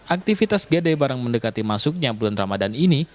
aktivitas gede barang mendekati masuknya bulan ramadan ini